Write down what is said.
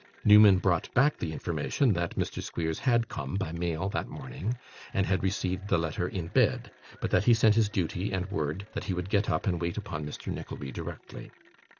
Newman brought back the information that Mr. Squeers had come by mail that morning, and had received the letter in bed; but that he sent his duty, and word that he would get up and wait upon Mr Nickleby directly.